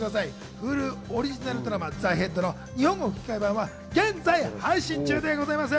Ｈｕｌｕオリジナルドラマ『ＴＨＥＨＥＡＤ』の日本語吹き替え版は現在配信中でございます。